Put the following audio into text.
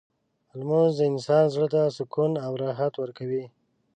لمونځ د انسان زړه ته سکون او راحت ورکوي.